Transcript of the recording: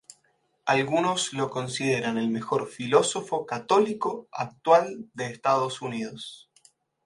Algunos lo consideran el mejor filósofo católico actual de Estados Unidos.